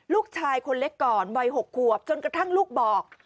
ลูกชายคนเล็กก่อนวัย๖ขวบจนกระทั่งลูกบอก